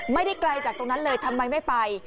ไม่ได้ไกลจากตรงนั้นเลยทำไมไม่ไป